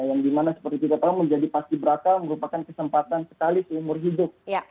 yang dimana seperti kita tahu menjadi paski beraka merupakan kesempatan sekali seumur hidup